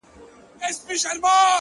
د غم شپيلۍ راپسي مه ږغـوه;